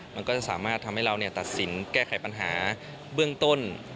มันก็จะสามารถทำให้เราตัดสินแก้ไขปัญหาเบื้องต้น